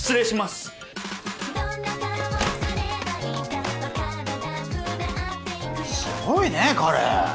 すごいね彼。